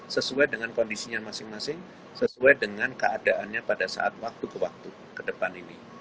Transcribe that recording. sesuai dengan kondisinya masing masing sesuai dengan keadaannya pada saat waktu ke waktu ke depan ini